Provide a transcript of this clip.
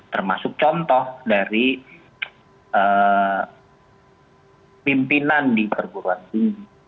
termasuk contoh dari pimpinan di perguruan tinggi